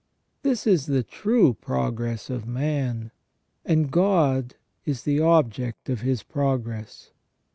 45 This is the true progress of man, and God is the object of his progress.